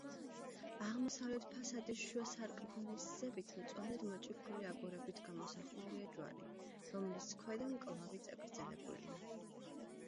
აღმოსავლეთ ფასადის შუა სარკმლის ზევით მწვანედ მოჭიქული აგურებით გამოსახულია ჯვარი, რომლის ქვედა მკლავი წაგრძელებულია.